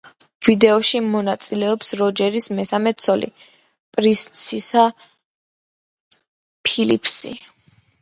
ვიდეოში მონაწილეობს როჯერის მესამე ცოლი, პრისცილა ფილიპსი.